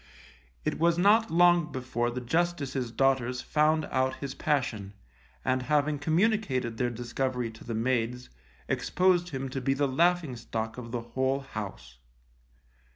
It was not long before the Justice's daughters found out his passion, and having communicated their discovery to the maids, exposed him to be the laughing stock of the whole house.